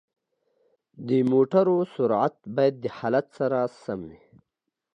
د موټرو سرعت باید د حالت سره سم وي.